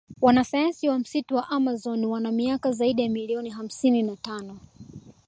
Wanasayansi wa msitu wa amazon wana miaka zaidi ya million hamsini na tano